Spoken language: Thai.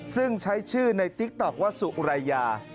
ซึ่งใช้ชื่อในติ๊กต๊อกว่าสุรายา